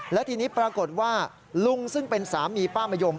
และทีนี้ปรากฏว่าลุงซึ่งเป็นสามีป้ามะยม